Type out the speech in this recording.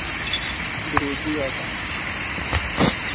Di rojiya de